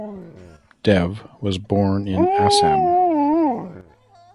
Dev was born in Assam.